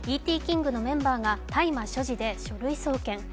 ＫＩＮＧのメンバーが大麻所持で書類送検。